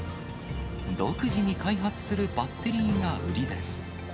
独自に開発するバッテリーが売りです。